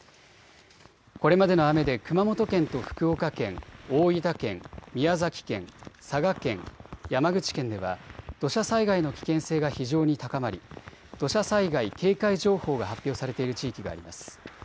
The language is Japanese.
これまでの雨で熊本県と福岡県、大分県、宮崎県、佐賀県、山口県では土砂災害の危険性が非常に高まり土砂災害警戒情報が発表されている地域があります。